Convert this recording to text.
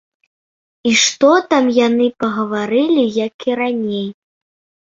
І што там яны пагаварылі, як і раней!